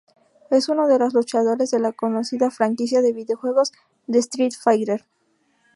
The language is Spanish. Es uno de los luchadores de la conocida franquicia de videojuegos de "Street Fighter".